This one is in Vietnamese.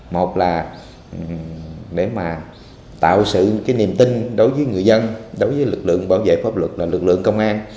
một là để mà tạo sự cái niềm tin đối với người dân đối với lực lượng bảo vệ pháp luật và lực lượng công an